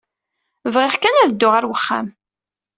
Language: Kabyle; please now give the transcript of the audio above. Bɣiɣ kan ad dduɣ ɣer uxxam.